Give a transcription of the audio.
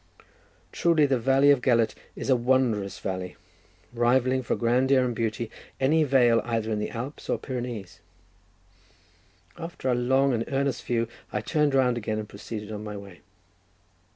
Truly, the valley of Gelert is a wondrous valley—rivalling for grandeur and beauty any vale either in the Alps or Pyrenees. After a long and earnest view, I turned round again, and proceeded on my way.